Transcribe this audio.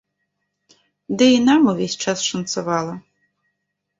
Ды і нам увесь час шанцавала.